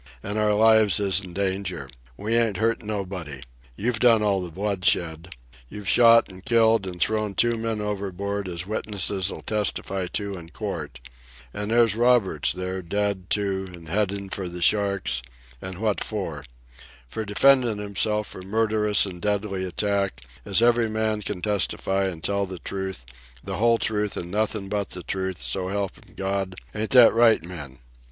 An' our lives is in danger. We ain't hurt nobody. You've done all the bloodshed. You've shot an' killed an' thrown two men overboard, as witnesses'll testify to in court. An' there's Roberts, there, dead, too, an' headin' for the sharks—an' what for? For defendin' himself from murderous an' deadly attack, as every man can testify an' tell the truth, the whole truth, an' nothin' but the truth, so help 'm, God—ain't that right, men?"